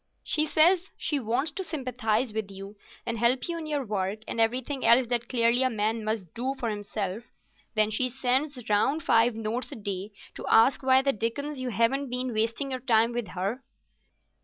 "She says she wants to sympathise with you and help you in your work, and everything else that clearly a man must do for himself. Then she sends round five notes a day to ask why the dickens you haven't been wasting your time with her."